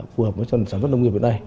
phù hợp với sản xuất nông nghiệp hiện nay